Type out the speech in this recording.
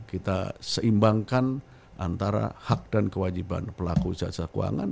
kita seimbangkan antara hak dan kewajiban pelaku usaha jasa keuangan